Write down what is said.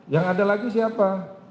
yang ada lagi siapa